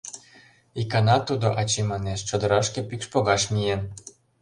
Икана тудо, ачий манеш, чодырашке пӱкш погаш миен.